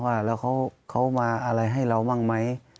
ว่าแล้วเขามาอะไรให้เราบ้างไหม